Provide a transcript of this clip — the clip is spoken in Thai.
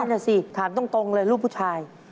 ก็นั่นแหละสิถามตรงเลยรูปผู้ชาย